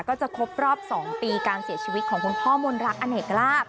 ก็จะครบรอบ๒ปีการเสียชีวิตของคุณพ่อมนรักอเนกลาบ